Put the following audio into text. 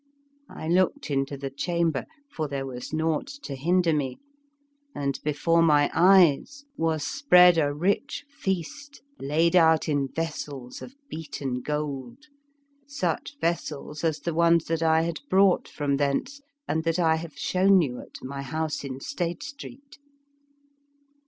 I looked into the chamber, for there was naught to hinder me, and before my eyes was spread a rich feast laid out in vessels of beaten gold, such vessels as the ones that I had brought from thence, and that I have shewn you at my house in Stade Street.